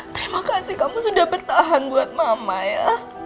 terima kasih kamu sudah bertahan buat mama ya